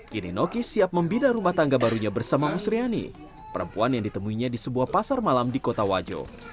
kini nokis siap membina rumah tangga barunya bersama musriani perempuan yang ditemuinya di sebuah pasar malam di kota wajo